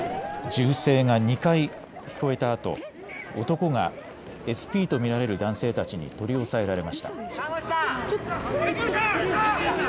銃声が２回聞こえたあと男がＳＰと見られる男性たちに取り押さえられました。